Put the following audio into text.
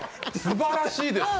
すばらしいです。